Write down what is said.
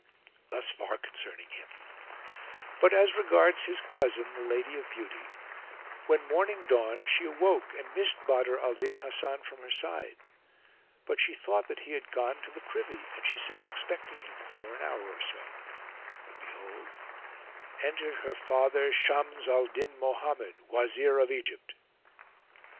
Thus far concerning him; but as regards his cousin, the Lady of Beauty, when morning dawned she awoke and missed Badr al Din Hasan from her side; but she thought that he had gone to the privy and she sat expecting him for an hour or so; when behold, entered her father Shams al Din Mohammed, Wazir of Egypt.